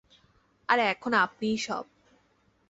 আর এখন আপনিই সব।